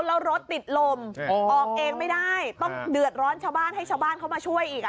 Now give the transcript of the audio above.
แล้วรถติดลมออกเองไม่ได้ต้องเดือดร้อนชาวบ้านให้ชาวบ้านเขามาช่วยอีก